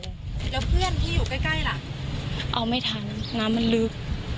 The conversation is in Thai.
แล้วเพื่อนที่อยู่ใกล้ล่ะเอาไม่ทันน้ำมันลึก